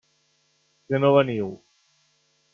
Que no veniu?